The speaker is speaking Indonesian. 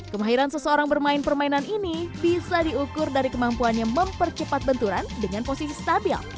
kemahiran seseorang bermain permainan ini bisa diukur dari kemampuannya mempercepat benturan dengan posisi stabil